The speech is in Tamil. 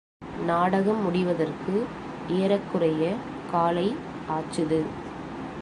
நாடகம் முடிவதற்கு ஏறக்குறைய காலை ஆச்சுது.